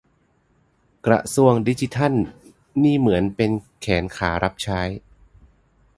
กระทรวงดิจิทัลนี่เหมือนไปเป็นแขนขารับใช้